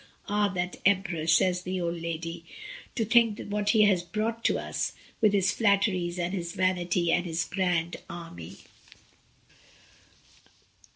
^ Ah! that emperor," says the old lady, "to think what he has brought us to, with his flatteries, and his vanity, and his grand army."